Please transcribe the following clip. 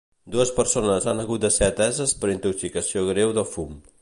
Dues persones han hagut de ser ateses per intoxicació greu de fum.